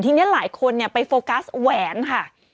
ทีนี้หลายคนไปโฟกัสแหวนค่ะ